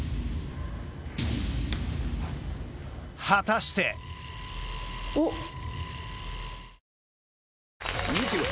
果たして？おっ。